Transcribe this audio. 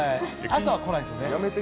朝は来ないですね。